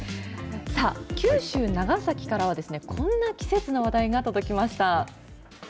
さあ、九州・長崎からは、こんな季節の話題が届きました。